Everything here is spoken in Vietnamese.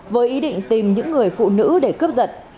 với ý định tìm những người phụ nữ để cướp giật